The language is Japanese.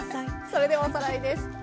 それではおさらいです。